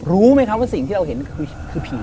รู้ไหมครับว่าสิ่งที่เราเห็นคือผี